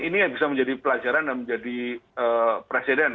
ini yang bisa menjadi pelajaran dan menjadi presiden